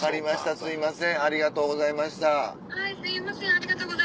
すいません。